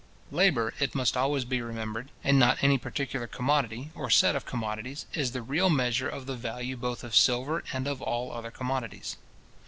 Labour, it must always be remembered, and not any particular commodity, or set of commodities, is the real measure of the value both of silver and of all other commodities.